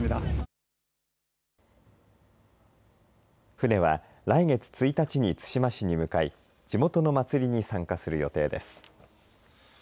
船は来月１日に対馬市に向かい地元の祭りに参加する予定です。